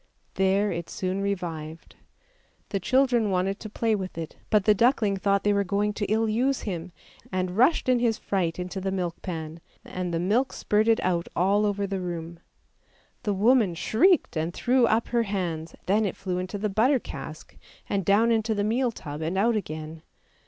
There it soon revived. The children wanted to play with it, but the duckling thought they were going to ill use him, and rushed in his fright into the milk pan, and the milk spurted out all over the room. The woman shrieked and threw up her hands, then it flew into the butter cask, and down into the meal tub and out again.